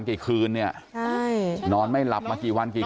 เพื่อนบ้านเจ้าหน้าที่อำรวจกู้ภัย